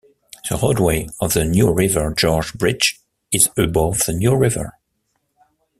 The roadway of the New River Gorge Bridge is above the New River.